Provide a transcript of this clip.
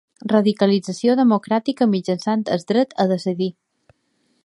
Radicalització democràtica mitjançant el dret a decidir.